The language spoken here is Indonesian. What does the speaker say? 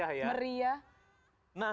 nah ini juga sudah countdown